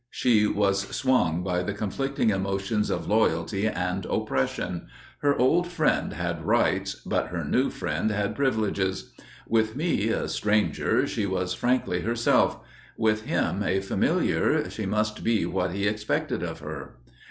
She was swung by the conflicting emotions of loyalty and oppression; her old friend had rights, but her new friend had privileges. With me, a stranger, she was frankly herself; with him, a familiar, she must be what he expected of her.